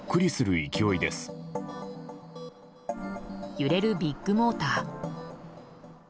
揺れるビッグモーター。